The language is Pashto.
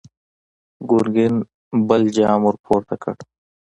ګرګين بل جام ور پورته کړ!